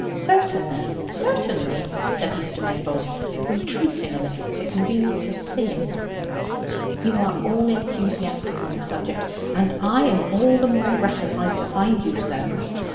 "Certainly, certainly!" said Mr. Maybold, retreating a little for convenience of seeing. "You are all enthusiastic on the subject, and I am all the more gratified to find you so.